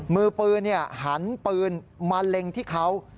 มือปืนหันปืนมาเล็งที่เขา